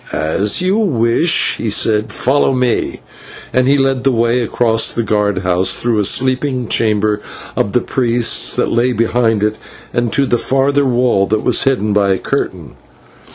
"As you wish," he said; "follow me." And he led the way across the guard house, through a sleeping chamber of the priests that lay behind it, to the further wall that was hidden by a curtain.